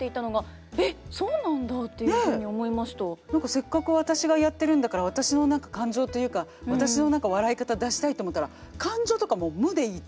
せっかく私がやってるんだから私の感情というか私の笑い方出したいと思ったら「感情とか無でいい」と。